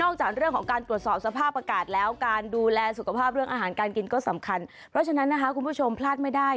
กินก็สำคัญเพราะฉะนั้นนะคะคุณผู้ชมพลาดไม่ได้